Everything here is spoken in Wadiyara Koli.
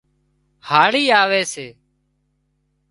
هاۯِي آوي سي